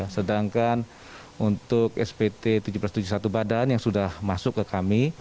sedangkan untuk spt seribu tujuh ratus tujuh puluh satu badan yang sudah masuk ke kami